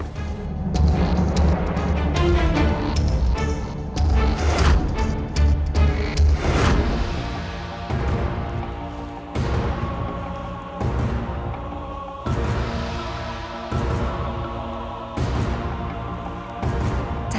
beliau tuh siapa